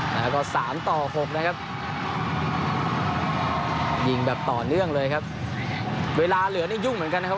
แล้วก็สามต่อหกนะครับยิงแบบต่อเนื่องเลยครับเวลาเหลือนี่ยุ่งเหมือนกันนะครับ